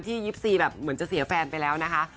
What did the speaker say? ๒๔แบบเหมือนจะเสียแฟนไปแล้วนะคะ